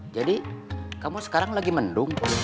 jadi kamu sekarang lagi mendung